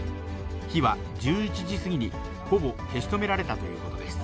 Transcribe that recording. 火は１１時過ぎに、ほぼ消し止められたということです。